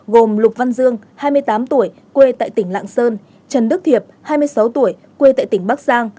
gồm lục văn dương hai mươi tám tuổi quê tại tỉnh lạng sơn trần đức thiệp hai mươi sáu tuổi quê tại tỉnh bắc giang